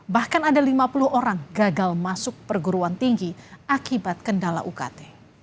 bahkan ada lima puluh orang gagal masuk perguruan tinggi akibat kendala ukt